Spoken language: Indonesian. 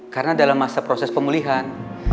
karena dalam masa proses pemulihan